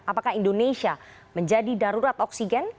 apakah indonesia menjadi darurat oksigen